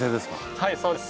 はいそうです。